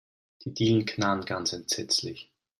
Die Dielen knarren ganz entsetzlich.